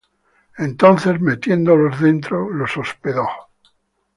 Entonces metiéndolos dentro, los hospedó.